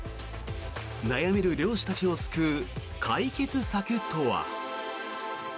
悩める漁師たちを救う解決策とは。